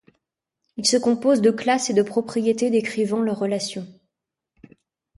Il se compose de classes et de propriétés décrivant leurs relations.